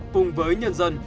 cùng với nhân dân